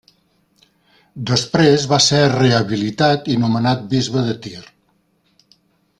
Després va ser rehabilitat i nomenat bisbe de Tir.